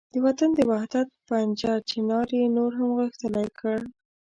د وطن د وحدت پنجه چنار یې نور هم غښتلې کړ.